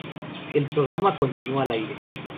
El programa continúa al aire.